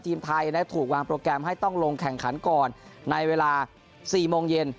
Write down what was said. ทีมไทยถูกวางโปรแกรมให้ต้องลงแข่งขันก่อนในเวลา๔โมงเย็น